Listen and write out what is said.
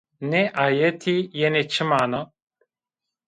Nê ayetî yenê çi mana?